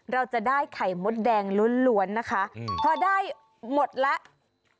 เราจะได้ไข่มดแดงล้วนนะคะพอได้หมดแล้ว